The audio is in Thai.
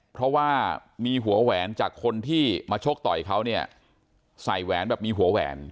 เพราะว่ามีหัวแหวนจากคนที่มาชกต่อยเขาเนี่ยใส่แหวนแบบมีหัวแหวน